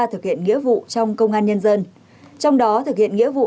thực hiện nghĩa vụ trong công an nhân dân trong đó thực hiện nghĩa vụ